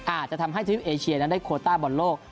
อาจจะทำให้ทีมเอเชียได้โคต้าบนโลก